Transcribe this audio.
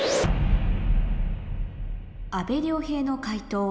阿部亮平の解答